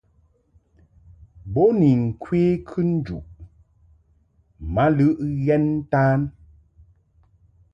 Bo ni ŋkwe kɨnjuʼ ma lɨʼ ghɛn ntan.